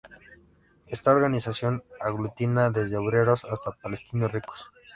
Esta organización aglutina desde obreros hasta Palestinos ricos.